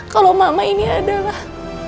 kalau mama ini adalah